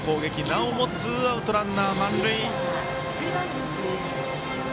なおもツーアウトランナー、満塁。